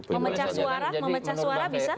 memecah suara memecah suara bisa